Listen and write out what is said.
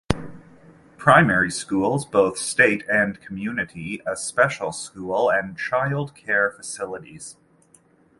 Primary schools both State and Community, a special school and child care facilities.